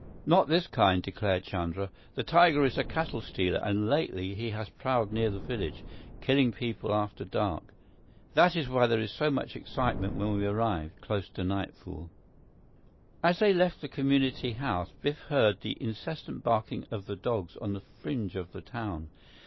"Not this kind," declared Chandra. "This tiger is a cattle stealer, and lately he has prowled near the village, killing people after dark. That is why there was so much excitement when we arrived close to nightfall." As they left the community house, Biff heard the incessant barking of the dogs on the fringe of the town.